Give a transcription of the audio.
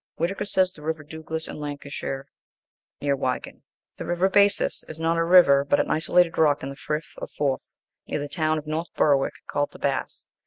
Whitaker says, the river Duglas, in Lancashire, near Wigan. (3) Not a river, but an isolated rock in the Frith of Forth, near the town of North Berwick, called "The Bass."